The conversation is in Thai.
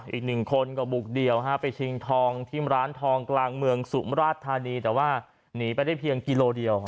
อีกหนึ่งคนก็บุกเดี่ยวไปชิงทองที่ร้านทองกลางเมืองสุมราชธานีแต่ว่าหนีไปได้เพียงกิโลเดียว